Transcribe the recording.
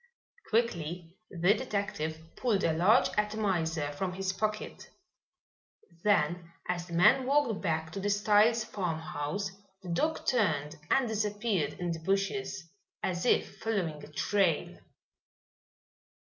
Quickly the detective pulled a large atomizer from his pocket. Then, as the man walked back to the Styles' farmhouse, the dog turned and disappeared in the bushes as if following a trail.